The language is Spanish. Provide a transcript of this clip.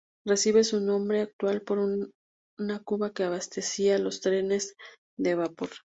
Recibe su nombre actual por una cuba que abastecía a los trenes de vapor.